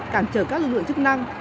cản trở các lực lượng chức năng